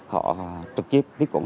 họ trực tiếp